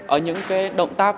ở những động tác